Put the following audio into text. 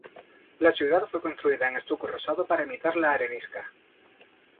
La ciudad fue construida en estuco rosado para imitar la arenisca.